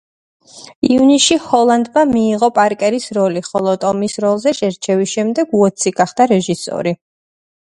ივნისში ჰოლანდმა მიიღო პარკერის როლი, ხოლო ტომეის როლზე შერჩევის შემდეგ უოტსი გახდა რეჟისორი.